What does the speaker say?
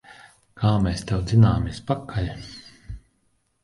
Kā mēs tev dzināmies pakaļ!